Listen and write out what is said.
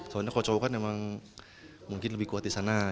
soalnya kocok kan memang mungkin lebih kuat di sana